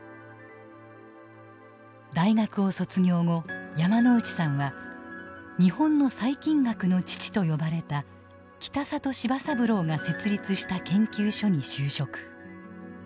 大学を卒業後山内さんは「日本の細菌学の父」と呼ばれた北里柴三郎が設立した研究所に就職。